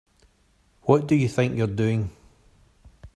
What do you think you're doing?